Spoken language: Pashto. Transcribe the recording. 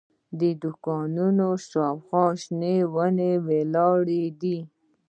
د دوکانونو شاوخوا شنې ونې ولاړې دي.